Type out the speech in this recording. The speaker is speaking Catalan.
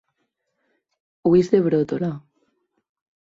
Ulls de bròtola.